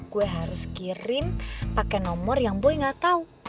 gue harus kirim pakai nomor yang boy nggak tahu